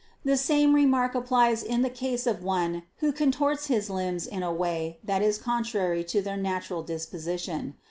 The same remark applies in the case of one who contorts his limbs in a way that is contrary to their natural disposition.